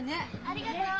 ありがとう。